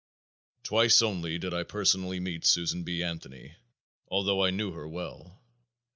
Twice only did I personally meet Susan B. Anthony, although I knew her well.